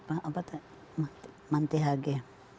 apa tuh manti hage